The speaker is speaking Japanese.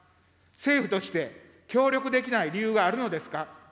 政府として、協力できない理由があるのですか。